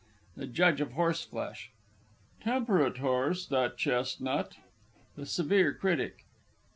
THE JUDGE OF HORSEFLESH. Temperate horse, that chestnut. THE SEVERE CRITIC.